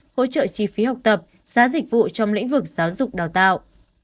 hỗ trợ chi phí học tập giá dịch vụ trong lĩnh vực giáo dục đào tạo